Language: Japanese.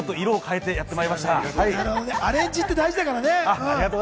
アレンジって大事だからね。